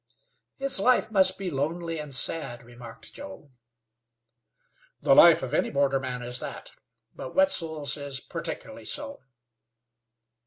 "His life must be lonely and sad," remarked Joe. "The life of any borderman is that; but Wetzel's is particularly so."